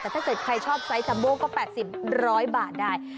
แต่ถ้าเกิดใครชอบไซส์จัมโบก็๘๐๑๐๐บาทได้